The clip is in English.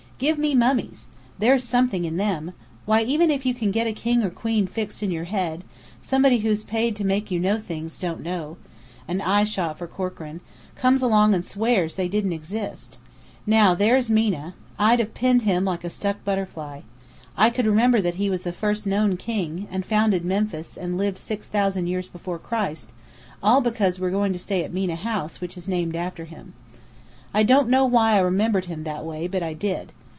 Give me mummies! There's something in them. Why, even if you get a king or queen fixed in your head, somebody who's paid to make you know things you don't know" (an eye shot for Corkran) "comes along and swears they didn't exist. Now, there's Mena. I'd pinned him like a stuck butterfly. I could remember that he was the first known king, and founded Memphis and lived six thousand years before Christ, all because we're going to stay at Mena House, which is named after him. I don't know why I remembered him that way, but I did.